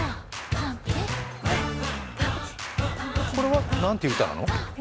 これは何ていう歌なの？